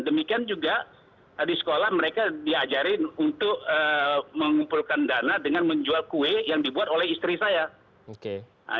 demikian juga di sekolah mereka diajarin untuk mengumpulkan dana dengan menjual kue yang dibuat oleh istri saya